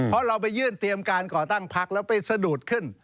เพราะเราไปยื่นเตรียมการก่อตั้งพักแล้วไปสะดุดขึ้น